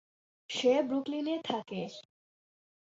সে ব্রুকলিনে থাকে।